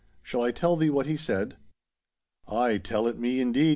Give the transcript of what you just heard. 'Shall I tell thee what he said?' 'Ay, tell it me, indeed!